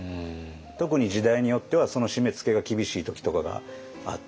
特に時代によってはその締めつけが厳しい時とかがあって。